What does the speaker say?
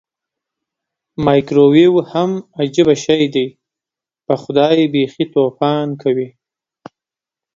مایکرو ویو هم عجبه شی دی پخدای بیخې توپان کوي.